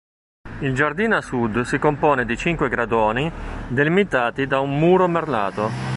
Il giardino a sud si compone di cinque gradoni, delimitati da un muro merlato.